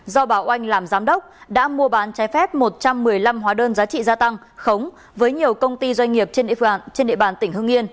do bảo anh làm giám đốc đã mua bán trái phép một trăm một mươi năm hóa đơn giá trị gia tăng khống với nhiều công ty doanh nghiệp trên địa bàn tỉnh hương yên